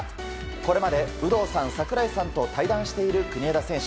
これまで有働さん、櫻井さんと対談している国枝選手。